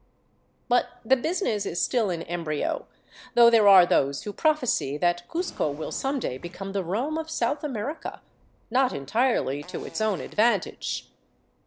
But the busi ness is still in embryo, though there are those who prophesy that Cuzco will some day become the Rome of South America — not en tirely to its own advantage.